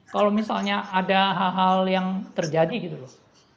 kalau misalnya ada hal hal yang terjadi gitu loh